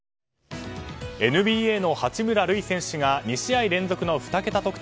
ＮＢＡの八村塁選手が２試合連続の２桁得点。